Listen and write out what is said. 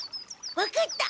分かった。